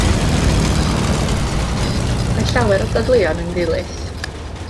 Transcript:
Mae llawer o'r dadleuon yn ddilys.